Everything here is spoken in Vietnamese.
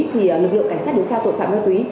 thì lực lượng cảnh sát điều tra tội phạm ma túy